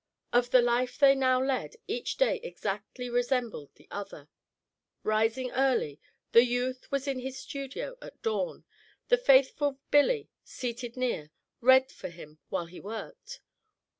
Of the life they now led each day exactly resembled the other. Rising early, the youth was in his studio at dawn; the faithful Billy, seated near, read for him while he worked.